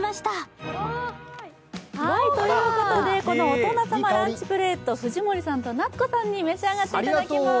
大人様ランチプレート、藤森さんと夏子さんに召し上がっていただきます。